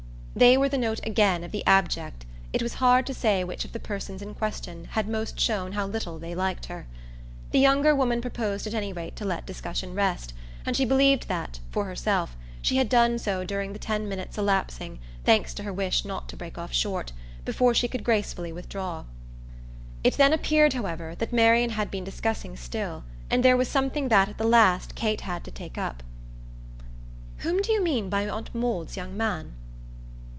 They were the note again of the abject; it was hard to say which of the persons in question had most shown how little they liked her. The younger woman proposed at any rate to let discussion rest, and she believed that, for herself, she had done so during the ten minutes elapsing, thanks to her wish not to break off short, before she could gracefully withdraw. It then appeared, however, that Marian had been discussing still, and there was something that at the last Kate had to take up. "Whom do you mean by Aunt Maud's young man?"